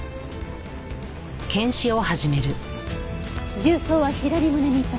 銃創は左胸に一発。